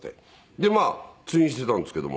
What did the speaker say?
で通院していたんですけども。